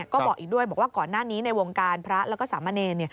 ก็บอกอีกด้วยบอกว่าก่อนหน้านี้ในวงการพระแล้วก็สามเณร